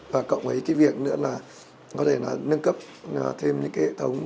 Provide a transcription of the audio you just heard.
và cộng với cái việc nữa là có thể là nâng cấp thêm những cái hệ thống